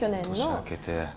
年明けて？